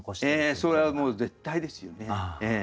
ええそれはもう絶対ですよね。